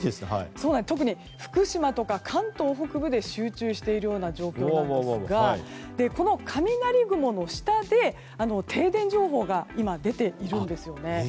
特に福島とか関東北部で集中している状況なんですがこの雷雲の下で、今停電情報が出ているんですよね。